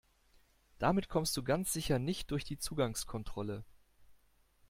Damit kommst du ganz sicher nicht durch die Zugangskontrolle.